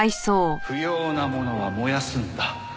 不要な物は燃やすんだ。